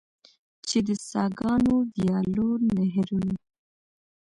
چې د څاګانو، ویالو، نهرونو.